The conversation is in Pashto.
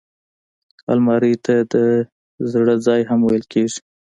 الماري ته د زړه ځای هم ویل کېږي